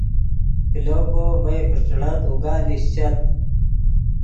کلو کو ڤئے فیݯیڑت اوگا لیشچت